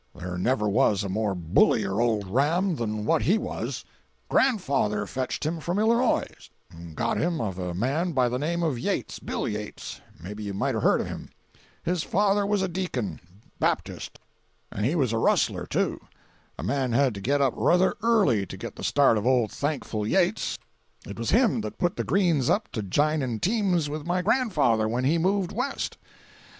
There never was a more bullier old ram than what he was. Grandfather fetched him from Illinois—got him of a man by the name of Yates—Bill Yates—maybe you might have heard of him; his father was a deacon—Baptist—and he was a rustler, too; a man had to get up ruther early to get the start of old Thankful Yates; it was him that put the Greens up to jining teams with my grandfather when he moved west.